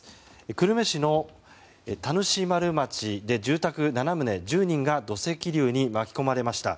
久留米市の田主丸町で住宅７棟、１０人が土石流に巻き込まれました。